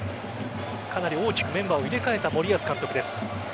かなり大きくメンバーを入れ替えた森保監督です。